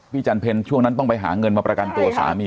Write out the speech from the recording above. จันเพ็ญช่วงนั้นต้องไปหาเงินมาประกันตัวสามี